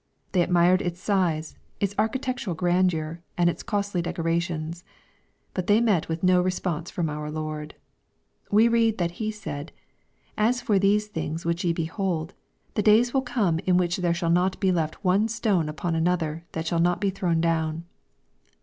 They admired its size, its architectural grandeur, and its costly decorations. But they met with no response from our Lord. We read that he said, " As for these things which ye be hold, the days will come in the which there shall not be left one stone upon anotherthat shall notbe thrown down."